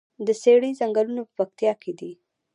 د څیړۍ ځنګلونه په پکتیا کې دي؟